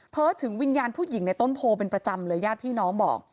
ถึงวิญญาณผู้หญิงในต้นโพเป็นประจำเลยญาติพี่น้องบอก